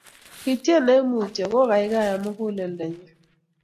ketien eng mutio kokaikaiyo mukuleldo nyuu